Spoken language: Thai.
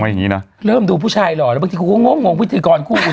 อย่างงี้นะเริ่มดูผู้ชายหล่อแล้วบางทีกูก็งงงพิธีกรคู่คุณ